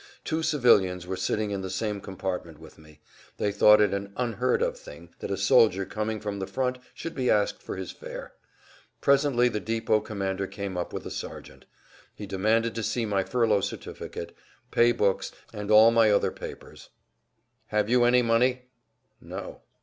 Two civilians were sitting in the same compartment with me; they thought it an unheard of thing that a soldier coming from the front should be asked for his fare. Presently the depot commander came up with a sergeant. He demanded to see my furlough certificate, pay books, and all my other papers. "Have you any money?" "No."